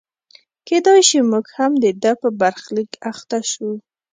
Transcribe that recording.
کېدای شي موږ هم د ده په برخلیک اخته شو.